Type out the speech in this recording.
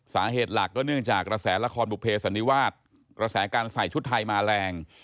สาเหตุหลักก็เนื่องจากกระแสละครบุเภสันนิวาสกระแสการใส่ชุดไทยมาแรง